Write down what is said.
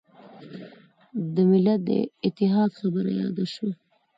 د ملت د اتحاد خبره یاده شوه.